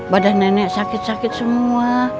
badan nenek sakit sakit semua